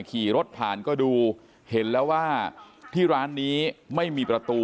ขี่รถผ่านก็ดูเห็นแล้วว่าที่ร้านนี้ไม่มีประตู